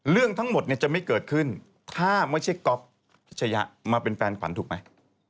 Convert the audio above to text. เรื่องทั้งหมดจะไม่เกิดขึ้นถ้าไม่ใช่ก็อปชัยะมาเป็นแฟนขวานถูกมั้ย